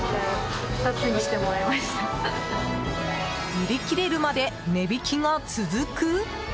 売り切れるまで値引きが続く？